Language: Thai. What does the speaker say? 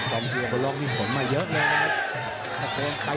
จอมซิมาพลอยเยอะแกนี่